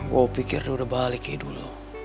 gue pikir dia udah balik ya dulu